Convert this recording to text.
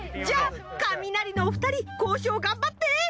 じゃあカミナリのお二人交渉頑張って。